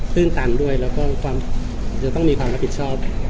ตื่นตันด้วยแล้วก็จะต้องมีความรับผิดชอบ